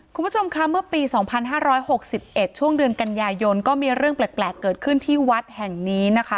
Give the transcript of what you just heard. คุณผู้ชมคะเมื่อปีสองพันห้าร้อยหกสิบเอ็ดช่วงเดือนกัญญายนก็มีเรื่องแปลกแปลกเกิดขึ้นที่วัดแห่งนี้นะคะ